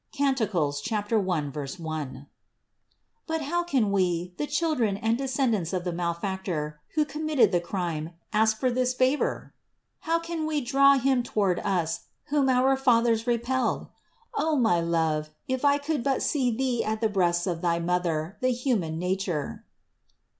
(Cant. 1,1). But how can we, the children and descendants of the malefactor, who committed the crime, ask for this favor? How can we draw Him toward us, whom our fathers repelled? Oh my Love, if I could but see Thee at the breasts of thy Mother, the human nature!